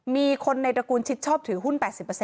มีคนในตระกูลชิดชอบถือหุ้น๘๐